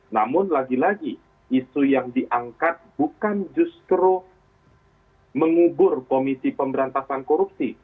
namun lagi lagi isu yang diangkat bukan justru mengubur komisi pemberantasan korupsi